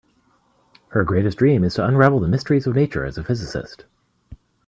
Her greatest dream is to unravel the mysteries of nature as a physicist.